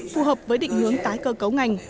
phù hợp với định hướng tái cơ cấu ngành